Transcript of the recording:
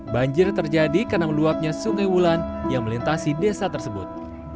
banjir terjadi karena meluapnya sungai wulan yang melintasi desa tersebut